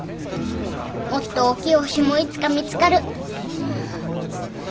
もっとおっきい星もいつか見つかる。